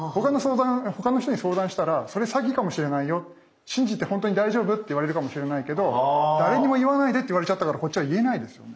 他の人に相談したら「それ詐欺かもしれないよ。信じて本当に大丈夫？」って言われるかもしれないけど誰にも言わないでって言われちゃったからこっちは言えないですよね。